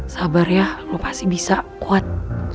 sabar ya lo pasti bisa kuat